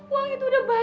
uang itu udah banyak